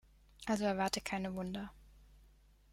Also erwarte keine Wunder.